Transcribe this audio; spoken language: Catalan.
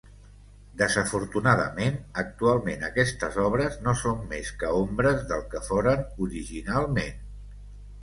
Desafortunadament, actualment aquestes obres no són més que ombres del que foren originalment.